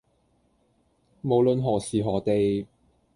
無論何時何地